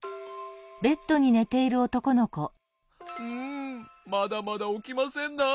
んまだまだおきませんな。